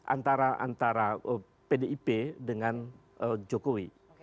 antara pdip dengan jokowi